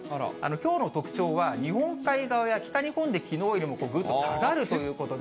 きょうの特徴は、日本海側や北日本できのうよりもぐっと下がるということで。